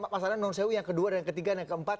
mas anam non sew yang kedua dan ketiga dan keempat